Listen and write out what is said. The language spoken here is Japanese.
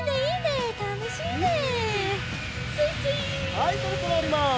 はいそろそろおります。